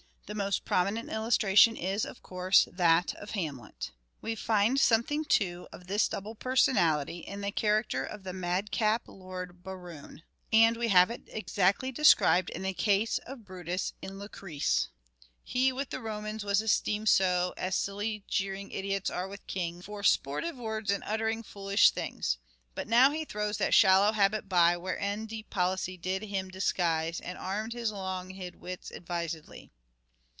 The most prominent illustration is, of course, that of Hamlet. We find something, too, of this double personality in the character of the " mad cap Lord Berowne " and we have it exactly described in the case of Brutus in " Lucrece ":" He with the Romans was esteemed so, As silly jeering idiots are with kings, For sportive words and uttering foolish things. But now he throws that shallow habit by, Wherein deep policy did him disguise ; And arm'd his long hid wits advisedly."